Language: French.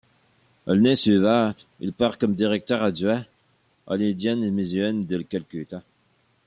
L’année suivante, il part comme directeur-adjoint à l’Indian Museum de Calcutta.